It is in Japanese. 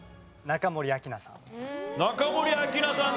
中森明菜さん